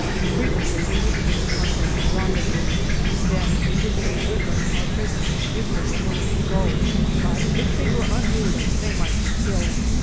Frequently we would change our place of rendezvous ; then we would take with us our prisoners if they were willing to go, but if they were unruly they might be killed.